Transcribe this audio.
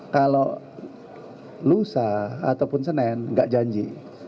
kalau lusa ataupun senen nggak janji